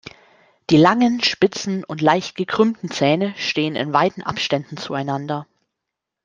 Die langen, spitzen und leicht gekrümmten Zähne stehen in weiten Abständen zueinander.